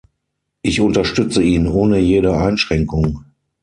Ich unterstütze ihn ohne jede Einschränkung.